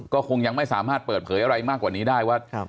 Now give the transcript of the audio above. ก็คงยังไม่สามารถเปิดเผยอะไรมากกว่านี้ได้ว่า